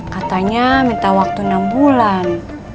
katanya minta waktu enam bulan